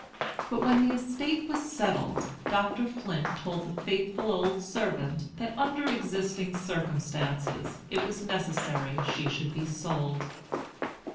But when the estate was settled, Dr. Flint told the faithful old servant that, under existing circumstances, it was necessary she should be sold.